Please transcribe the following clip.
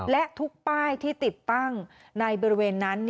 และทุกป้ายที่ติดตั้งในบริเวณนั้น